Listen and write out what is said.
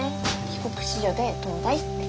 帰国子女で東大って。